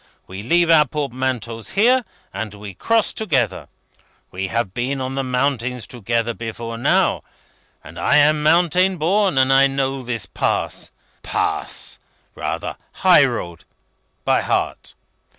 We leave our portmanteaus here, and we cross together. We have been on the mountains together before now, and I am mountain born, and I know this Pass Pass! rather High Road! by heart.